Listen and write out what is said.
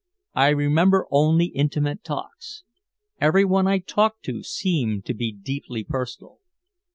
I remember only intimate talks. Everyone I talked to seemed to be deeply personal.